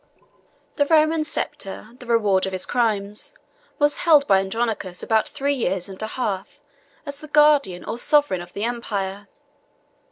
The Roman sceptre, the reward of his crimes, was held by Andronicus about three years and a half as the guardian or sovereign of the empire.